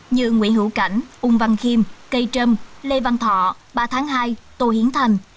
như nguyễn hữu cảnh ung văn khiêm cây trâm lê văn thọ ba tháng hai tô hiến thành